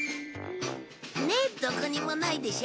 ねっどこにもないでしょ？